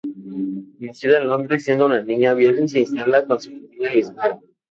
Nacida en Londres, siendo niña, viaja y se instala con su familia en Lisboa.